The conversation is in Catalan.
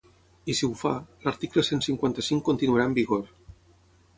I si ho fa, l’article cent cinquanta-cinc continuarà en vigor.